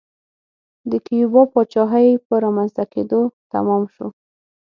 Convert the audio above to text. د کیوبا پاچاهۍ په رامنځته کېدو تمام شو.